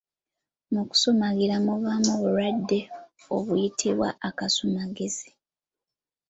Mu kusumagira muvaamu obulwadde obuyitibwa akasumagizi.